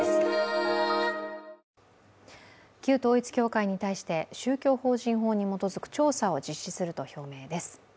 旧統一教会に対して、宗教法人法に基づく調査を実施すると表明です。